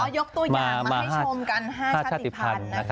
ยกตัวอย่างมาให้ชมกัน๕ชาติภัณฑ์นะคะ